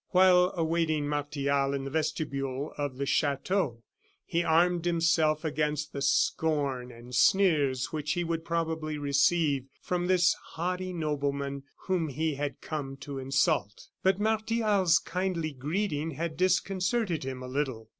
While awaiting Martial in the vestibule of the chateau, he armed himself against the scorn and sneers which he would probably receive from this haughty nobleman whom he had come to insult. But Martial's kindly greeting had disconcerted him a little.